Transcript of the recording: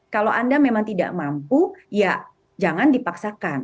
kalau anda memang tidak mampu ya jangan dipaksakan